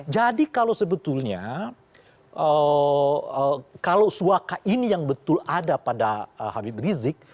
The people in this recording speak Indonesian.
jadi kalau sebetulnya kalau suaka ini yang betul ada pada habib rizik